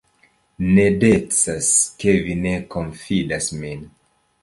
Ne decas, ke vi ne konfidas min.